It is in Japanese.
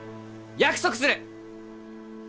約束する！